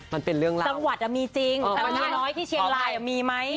ในน้อยที่เชียงรายมีมัย